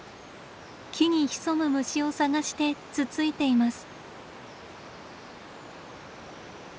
木に潜む虫を探してつついています。